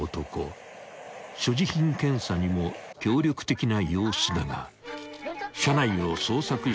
［所持品検査にも協力的な様子だが車内を捜索していたクマさん